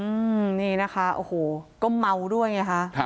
อืมนี่นะคะโอ้โหก็เมาด้วยไงคะครับ